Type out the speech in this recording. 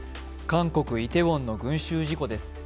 韓国・イテウォンの群集事故です。